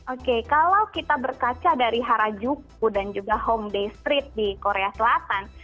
oke kalau kita berkaca dari harajuku dan juga home day street di korea selatan